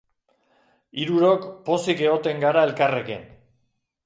Hirurok pozik egoten gara elkarrekin.